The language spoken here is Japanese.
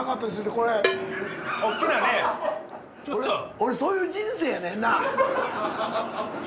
俺そういう人生やねんな。